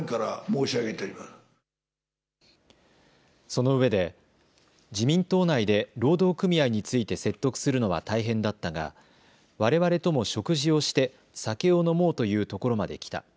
そのうえで自民党内で労働組合について説得するのは大変だったがわれわれとも食事をして酒を飲もうというところまで来た。